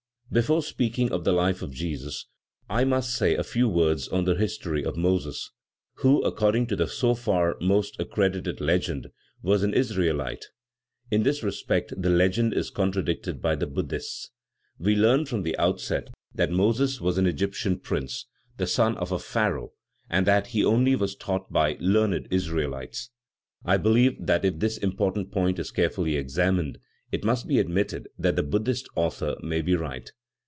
Before speaking of the life of Jesus, I must say a few words on the history of Moses, who, according to the so far most accredited legend, was an Israelite. In this respect the legend is contradicted by the Buddhists. We learn from the outset that Moses was an Egyptian prince, the son of a Pharaoh, and that he only was taught by learned Israelites. I believe that if this important point is carefully examined, it must be admitted that the Buddhist author may be right.